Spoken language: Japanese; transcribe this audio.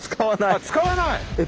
あ使わない？